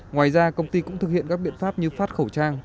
ngoài ra công ty cũng thực hiện các biện pháp như phát khẩu trang